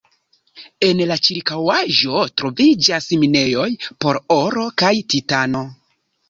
En la ĉirkaŭaĵo troviĝas minejoj por oro kaj titano.